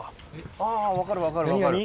あー、分かる、分かる、分かる。